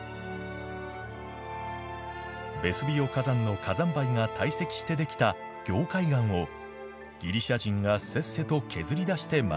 ベスビオ火山の火山灰が堆積してできた凝灰岩をギリシャ人がせっせと削り出して街を築きました。